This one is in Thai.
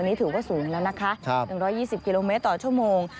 นี่ถือว่าสูงแล้วนะคะ๑๒๐กิโลเมตรต่อชั่วโมง